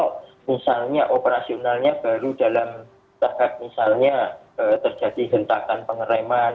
jadi kalau misalnya operasionalnya baru dalam tahap misalnya terjadi hentakan pengereman